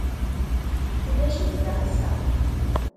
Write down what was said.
Ulac-itt da ass-a.